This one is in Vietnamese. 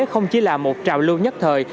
không chỉ là một trào lưu nhất thời